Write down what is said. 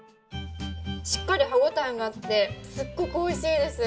しっかり歯ごたえもあってすっごくおいしいです。